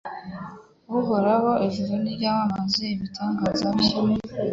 Uhoraho ijuru niryamamaze ibitangaza byawe